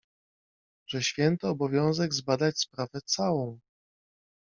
Że święty obowiązek zbadać sprawę całą